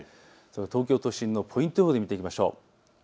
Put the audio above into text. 東京都心のポイント予報で見ていきましょう。